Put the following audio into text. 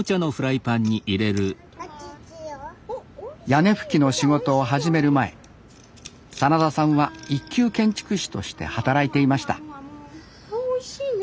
屋根葺きの仕事を始める前真田さんは一級建築士として働いていましたああおいしいね。